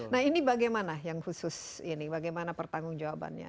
nah ini bagaimana yang khusus ini bagaimana pertanggung jawabannya